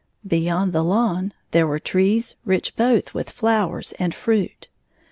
Beyond the lawn there were trees rich both with flowers and fruit.